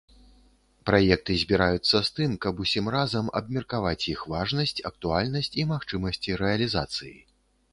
Праекты збіраюцца з тым, каб усім разам абмеркаваць іх важнасць, актуальнасць і магчымасці рэалізацыі.